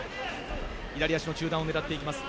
左足の中段を狙っていきます。